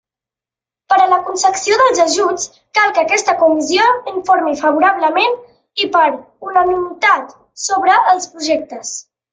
Per a la concessió dels ajuts cal que aquesta Comissió informi favorablement i per unanimitat sobre els projectes.